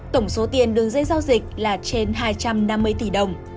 tổng số tiền đường dây giao dịch là trên hai trăm năm mươi tỷ đồng